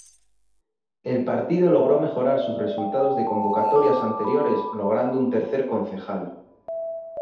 El partido logró mejorar sus resultados de convocatorias anteriores logrando un tercer concejal.